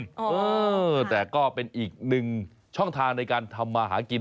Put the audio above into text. เออแต่ก็เป็นอีกหนึ่งช่องทางในการทำมาหากิน